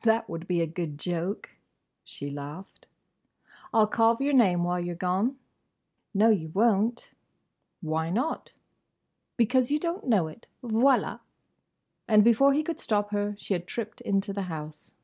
"That would be a good joke!" she laughed. "I 'll carve your name while you 're gone!" "No, you won't!" "Why not?" "Because you don't know it!—Voilà!" And before he could stop her she had tripped into the house.